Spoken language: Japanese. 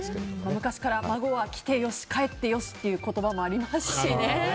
昔から孫は来てよし帰ってよしという言葉もありますしね。